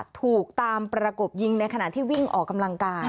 ถูกตามประกบยิงในขณะที่วิ่งออกกำลังกาย